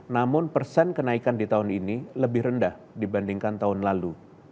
namun persen kenaikan di tahun ini lebih rendah dibandingkan tahun lalu